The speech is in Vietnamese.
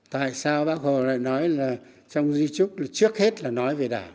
tại sao bác hồ lại nói là trong di trúc trước hết là nói về đảng